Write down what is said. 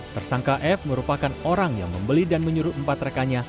tersangka f merupakan orang yang membeli dan menyuruh empat rekannya